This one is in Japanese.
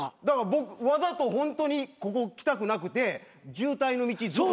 わざとホントにここ来たくなくて渋滞の道。